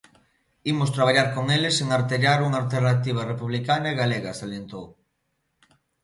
Imos traballar con eles en artellar unha alternativa republicana e galega salientou.